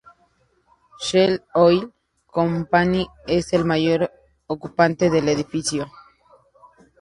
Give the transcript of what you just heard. Shell Oil Company es el mayor ocupante del edificio.